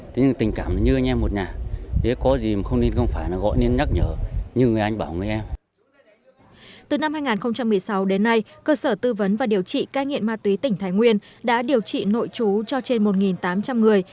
từ năm hai nghìn một mươi sáu đến nay cơ sở tư vấn và điều trị cai nghiện ma túy tỉnh thái nguyên đã điều trị nội chú cho trên một tám trăm linh người